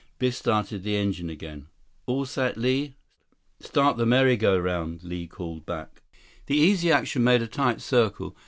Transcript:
Biff started the engine again. "All set, Li." "Start the merry go round," Li called back. 137 The Easy Action made a tight circle.